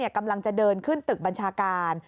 กำลังจะเดินขึ้นตึกบัญชาการ